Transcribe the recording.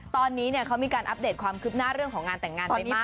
ตอนนี้เขามีการอัปเดตความคืบหน้าเรื่องของงานแต่งงานไปมาก